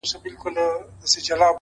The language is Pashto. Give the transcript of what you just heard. د نظرونو په بدل کي مي فکرونه راوړل-